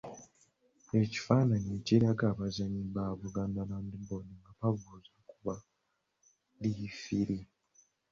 Ekifaananyi ekiraga abazannyi ba Buganda Land Board nga babuuza ku baddiifiri.